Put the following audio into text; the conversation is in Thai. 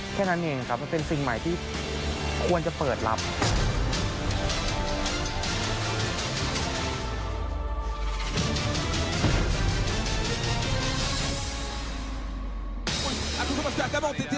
แค่นั้นเองครับมันเป็นสิ่งใหม่ที่ควรจะเปิดรับ